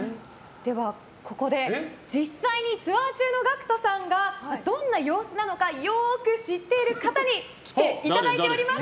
ではここで実際にツアー中のＧＡＣＫＴさんがどんな様子なのかよく知っている方に来ていただいております！